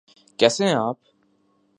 کیسے ہیں آپ؟